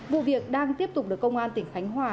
vụ việc đang tiếp tục được công an tỉnh khánh hòa